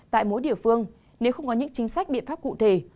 tại mỗi địa phương nếu không có những chính sách biện pháp cụ thể